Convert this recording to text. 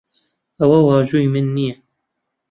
ئەوە واژووی من نییە.